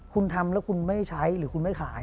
คุณทำแล้วคุณไม่ใช้หรือคุณไม่ขาย